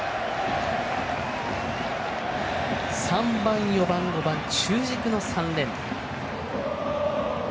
３番、４番、５番中軸の３連打。